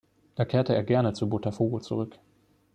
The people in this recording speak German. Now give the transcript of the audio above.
Da kehrte er gerne zu Botafogo zurück.